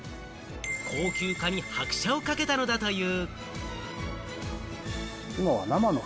高級化に拍車をかけたのだという。